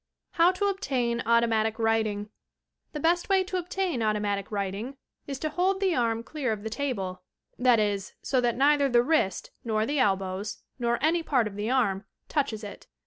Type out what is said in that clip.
UOW TO OBTAIN AUTOMATIC WRITING The best way to obtain automatic writing is to hold the arm clear of the table, — that is, so that neither the wrist, nor the elbows, nor any part of the arm touches it.